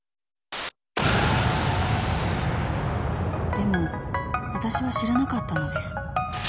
［でもわたしは知らなかったのです］